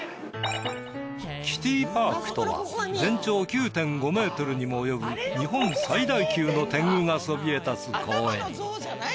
キティパークとは全長９．５ｍにも及ぶ日本最大級の天狗がそびえ立つ公園。